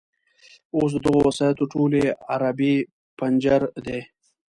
اوس د دغو وسایطو ټولې عرابې پنجر دي.